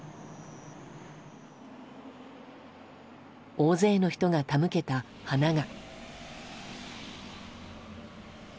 大勢の人が手向けた花が。